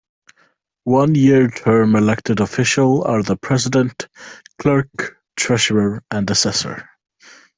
One year term elected official are the president, clerk, treasurer and assessor.